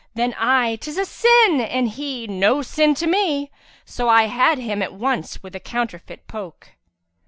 Then I, ' 'Tis a sin!; and he, 'No sin to me! * So I had him at once with a counterfeit poke."